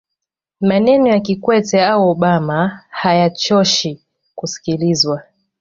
maneno ya kikwete au obama hayachoshi kusikilizwa